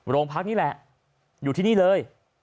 โรงพักนี่แหละอยู่ที่นี่เลย